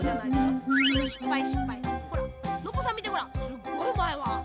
すっごいうまいわ。